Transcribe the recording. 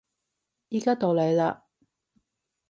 而家到你嘞